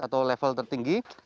atau level tertinggi